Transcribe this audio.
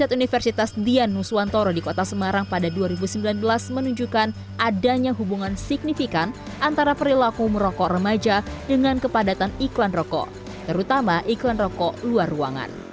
universitas dianuswantoro di kota semarang pada dua ribu sembilan belas menunjukkan adanya hubungan signifikan antara perilaku merokok remaja dengan kepadatan iklan rokok terutama iklan rokok luar ruangan